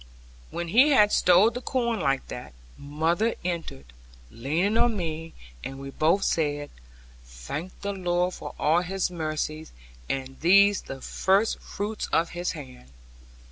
When he had stowed the corn like that, mother entered, leaning on me, and we both said, 'Thank the Lord for all His mercies, and these the first fruits of His hand!'